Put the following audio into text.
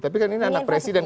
tapi kan ini anak presiden